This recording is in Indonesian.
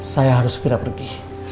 saya harus pindah pergi